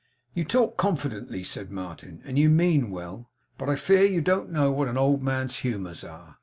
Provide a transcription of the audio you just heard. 'You talk confidently,' said Martin, 'and you mean well; but I fear you don't know what an old man's humours are.